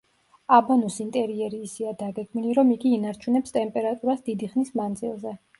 აბანოს ინტერიერი ისეა დაგეგმილი, რომ იგი ინარჩუნებს ტემპერატურას დიდი ხნის მანძილზე.